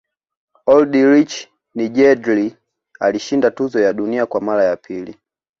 oldrich nejedly alishinda tuzo ya dunia kwa mara ya pili